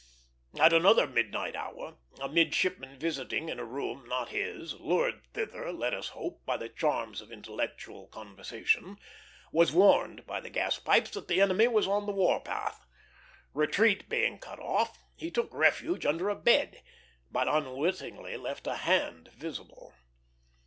At another midnight hour a midshipman visiting in a room not his, lured thither, let us hope, by the charms of intellectual conversation, was warned by the gas pipes that the enemy was on the war path. Retreat being cut off, he took refuge under a bed, but unwittingly left a hand visible.